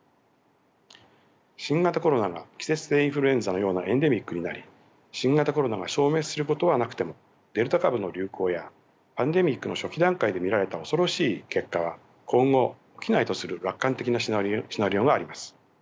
新型コロナが季節性インフルエンザのようなエンデミックになり新型コロナが消滅することはなくてもデルタ株の流行やパンデミックの初期段階で見られた恐ろしい結果は今後起きないとする楽観的なシナリオがあります。